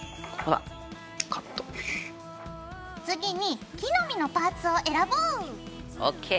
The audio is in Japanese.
次に木の実のパーツを選ぼう。ＯＫ。